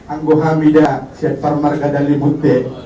anggu hamida siat parmarga dari munti